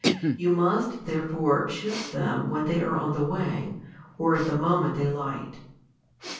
You must therefore shoot them when they are on the wing, or at the moment they light.